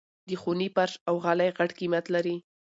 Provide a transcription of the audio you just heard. د خوني فرش او غالۍ غټ قيمت لري.